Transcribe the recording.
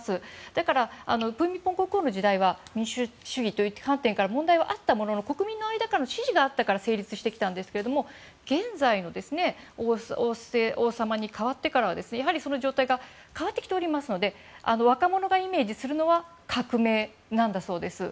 だから、プミポン国王の時代は民主主義という観点から問題があったものの国民の間からの支持があったから成立してきたんですが現在の王様に代わってからやはりその状態が変わってきていますので若者がイメージするのは革命なんだそうです。